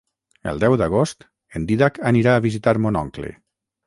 El deu d'agost en Dídac anirà a visitar mon oncle.